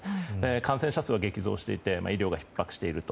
感染者数は激増していて医療もひっ迫していると。